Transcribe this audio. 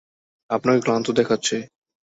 আপনাকে ক্লান্ত দেখাচ্ছে।